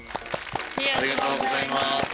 ありがとうございます。